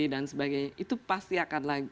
dan sebagainya itu pasti akan